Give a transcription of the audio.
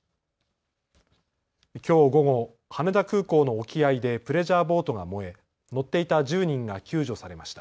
きょう午後、羽田空港の沖合でプレジャーボートが燃え乗っていた１０人が救助されました。